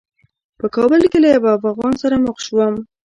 په کابل کې له یوه افغان سره مخ شوم.